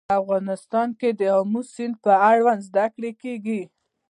افغانستان کې د آمو سیند په اړه زده کړه کېږي.